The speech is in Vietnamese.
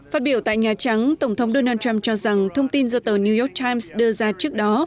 phát biểu tại nhà trắng tổng thống donald trump cho rằng thông tin do tờ new york times đưa ra trước đó